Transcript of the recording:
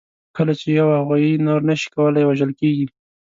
کله چې یوه غویي نور نه شي کولای، وژل کېږي.